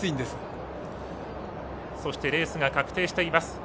そしてレースが確定しています。